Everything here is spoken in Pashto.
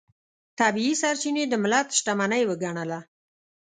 طبیعي سرچینې د ملت شتمنۍ وګڼله.